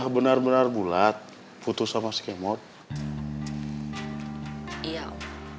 pelan pelan itu ngomongnya karena kecil